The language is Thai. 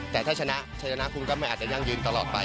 แต่ถ้าชนะชัยชนะคุณก็ไม่อาจจะยั่งยืนตลอดไป